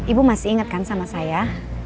ibu masih ingat kan sama saya